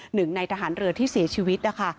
หนึ่งในทหารเรือที่เสียชีวิตนะคะ